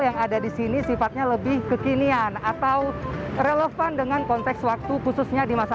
yang ada di sini sifatnya lebih kekinian atau relevan dengan konteks waktu khususnya di masa